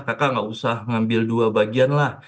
kakak tidak usah mengambil dua bagian lah